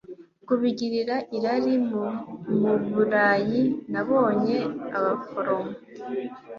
kubigirira irari Mu Burayi nabonye abaforomo